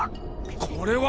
これは！